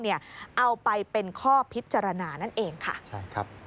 เอาไปเป็นข้อพิจารณานั่นเองค่ะ